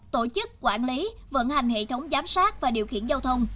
tổ chức quản lý vận hành hệ thống giám sát và điều khiển giao thông